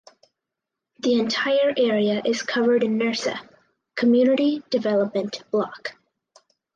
The entire area is covered in Nirsa (community development block).